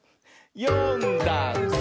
「よんだんす」